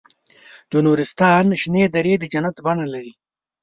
د نورستان شنې درې د جنت بڼه لري.